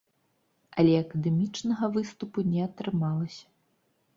Але акадэмічнага выступу не атрымалася.